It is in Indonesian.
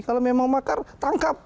kalau memang makar tangkap